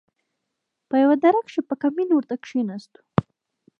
په يوه دره کښې په کمين ورته کښېناستو.